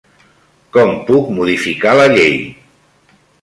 Com puc modificar la llei?